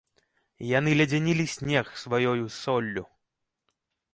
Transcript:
Яны ледзянілі снег сваёю соллю.